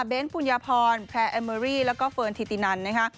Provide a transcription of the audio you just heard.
ปุญญาพรแพรแอมเมอรี่แล้วก็เฟิร์นธิตินันนะคะ